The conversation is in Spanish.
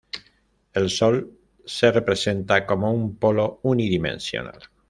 El Sol se representa como un polo unidimensional.